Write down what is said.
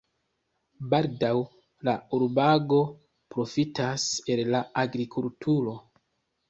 Baldaŭ la urbego profitas el la agrikulturo.